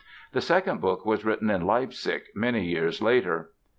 The second book was written in Leipzig many years later.